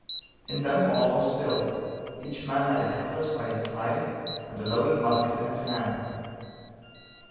In them all was still, each man had a cutlass by his side, and a loaded musket in his hand.